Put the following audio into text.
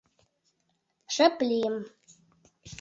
Шып лийым.